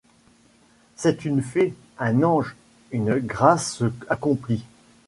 C’est une fée! un ange ! une grâce accomplie !